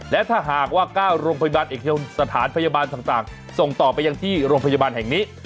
และถ้าหากว่า๙โรงพยาบาลเอกสถานพยาบาลต่างส่งต่อไปยังที่โรงพยาบาลแห่งนี้